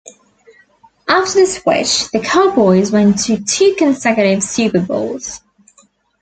After the switch, the Cowboys went to two consecutive Super Bowls.